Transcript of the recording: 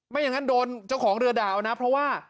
ไม่อย่างนั้นโดนเจ้าของเรือด่าเอานะเพราะว่า